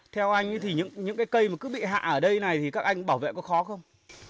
theo anh thì những cây cứ bị hạ ở đây này thì các anh bảo vệ có khó không